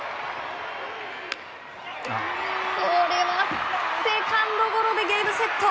これはセカンドゴロでゲームセット。